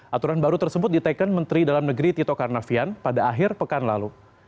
aturan baru tersebut diteken menteri dalam negeri tito karnavian pada akhir pekan lalu